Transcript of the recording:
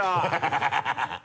ハハハ